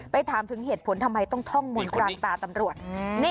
ไปถามถึงเหตุผลทำไมต้องท่องมุนกลางตาตำรวจมีคนนี้